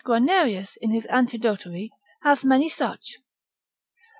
Guianerius, in his Antidotary, hath many such.